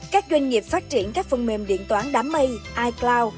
các doanh nghiệp phát triển các phần mềm điện toán đám mây icloud